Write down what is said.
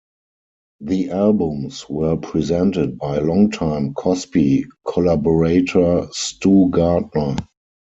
The albums were presented by longtime Cosby collaborator Stu Gardner.